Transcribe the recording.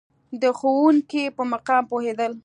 د ښوونکي په مقام پوهېدل.